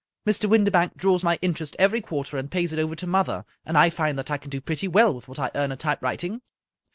Mr. Windibank draws my inter est every quarter, and pays it over to mother, and I find that I can do pretty well with what I earn at typewriting.